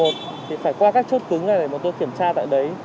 thì phải qua các chốt cứng này để mà tôi kiểm tra tại đấy